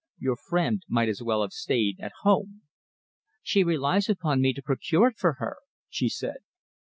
"Your friend might as well have stayed at home." "She relies upon me to procure it for her," she said.